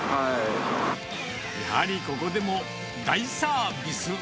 やはりここでも大サービス。